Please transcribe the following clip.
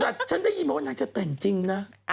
แต่ฉันได้ยินมาว่านางจะแต่งจริงนะ